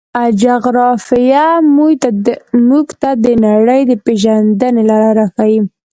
جغرافیه موږ ته د نړۍ د پېژندنې لاره راښيي.